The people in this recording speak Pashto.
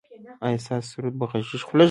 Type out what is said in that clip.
ایا ستاسو سرود به غږیږي؟